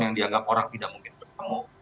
yang dianggap orang tidak mungkin bertemu